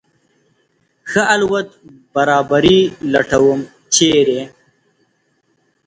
ښه الوت برابري لټوم ، چېرې ؟